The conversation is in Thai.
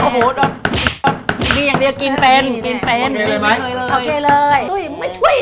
เห้ยยยตอนนี้ไม่ช่วย